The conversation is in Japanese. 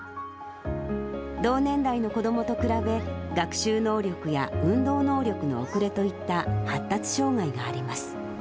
同年代の子どもと比べ、学習能力や運動能力の遅れといった発達障がいがあります。